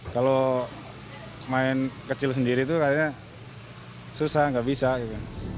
kalau main kecil sendiri itu kayaknya susah nggak bisa gitu